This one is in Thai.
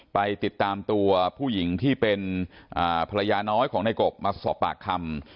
ไปติดตามตัวผู้หญิงที่เป็นภรรยาน้อยของในกบมาสอบปากคำ